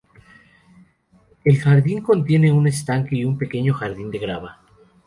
El jardín contiene un estanque y un pequeño jardín de grava.